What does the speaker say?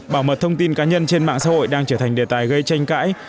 bảo mật thông tin cá nhân trên mạng xã hội đang trở thành đề tài gây tranh cãi